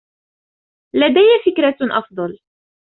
لديَ فكرة أفضل.